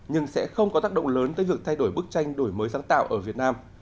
nhưng sẽ không có tác động lớn tới việc thay đổi bức tranh đổi mới sáng tạo ở việt nam